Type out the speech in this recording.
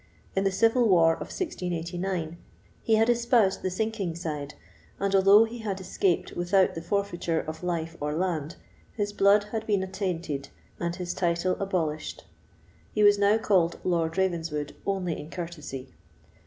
In the civil war of 1689 he had espoused the sinking side, and although he had escaped without the forfeiture of life or land, his blood had been attainted, and his title abolished. He was now called Lord Ravenswood only in courtesy.